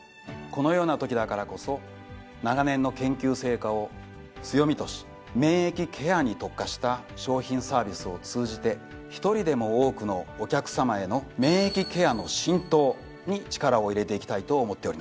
このようなときだからこそ長年の研究成果を強みとし免疫ケアに特化した商品サービスを通じて一人でも多くのお客さまへの免疫ケアの浸透に力を入れていきたいと思っております。